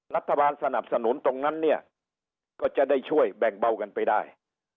รัฐบาลสนับสนุนตรงนั้นเนี่ยก็จะได้ช่วยแบ่งเบากันไปได้